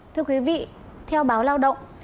thưa quý vị theo báo lao động